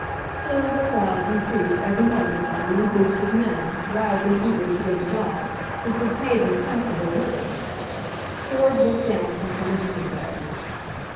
Still the crowds increased every moment by new groups of men wildly eager to get a job which would pay them a comfortable living. Ford looked down at them from his window.